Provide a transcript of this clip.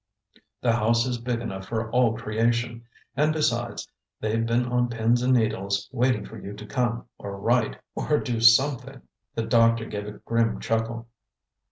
The house is big enough for all creation; and, besides, they've been on pins and needles, waiting for you to come, or write, or do something." The doctor gave a grim chuckle.